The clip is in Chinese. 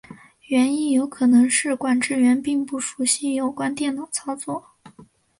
原因有可能是管制员并不熟习有关电脑操作。